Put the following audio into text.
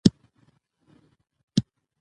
او ژبنیز علایقو مطابق